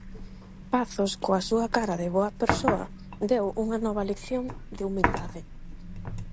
Pazos, coa súa cara de boa persoa, deu unha nova lección de humildade.